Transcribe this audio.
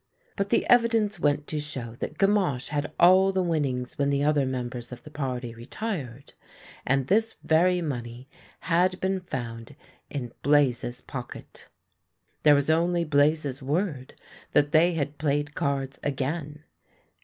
But the evidence went to show that Gamache had all the winnings when the other members of the party retired, and this very money had been found in Blaze's pocket. There was only Blaze's word that they had played cards again.